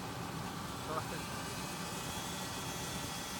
Yesruḥ tazmert-is deg lxedma.